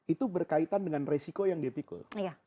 itu berkaitan dengan resiko yang dipikul